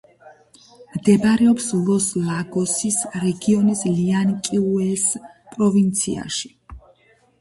მდებარეობს ლოს-ლაგოსის რეგიონის ლიანკიუეს პროვინციაში.